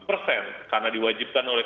persen karena diwajibkan oleh